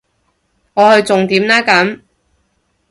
我去重點啦咁